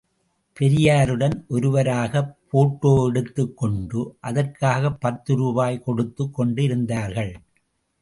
பெரியாருடன் ஒவ்வொருவராகப் போட்டோ எடுத்துக் கொண்டு, அதற்காகப் பத்து ரூபாய் கொடுத்துக் கொண்டு இருந்தார்கள்.